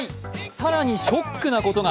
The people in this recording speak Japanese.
更にショックなことが。